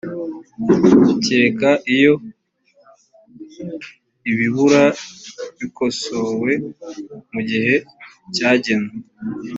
kereka iyo ibibura bikosowe mu gihe cyagenwe.